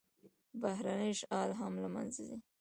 بهرنی اشغال هم له منځه ځي.